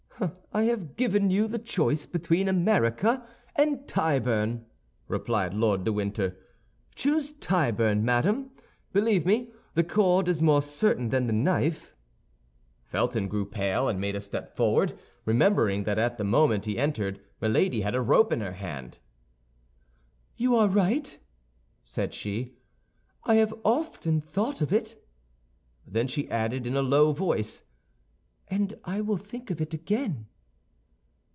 "I have given you the choice between America and Tyburn," replied Lord de Winter. "Choose Tyburn, madame. Believe me, the cord is more certain than the knife." Felton grew pale, and made a step forward, remembering that at the moment he entered Milady had a rope in her hand. "You are right," said she, "I have often thought of it." Then she added in a low voice, "And I will think of it again."